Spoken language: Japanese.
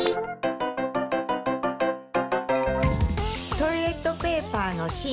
トイレットペーパーのしん。